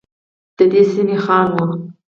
ددې سمي خان وه.